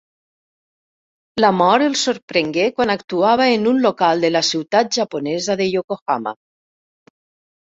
La mort el sorprengué quan actuava en un local de la ciutat japonesa de Yokohama.